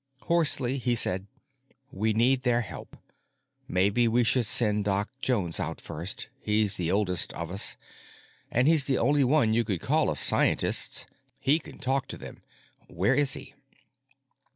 Hoarsely he said, "We need their help. Maybe we should send Doc Jones out first. He's the oldest of us, and he's the only one you could call a scientist; he can talk to them. Where is he?"